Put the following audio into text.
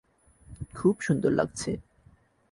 খুব সুন্দর লাগছে!